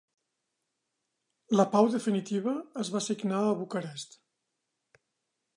La pau definitiva es va signar a Bucarest.